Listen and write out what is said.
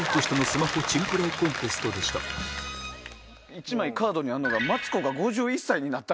１枚カードにあんのが。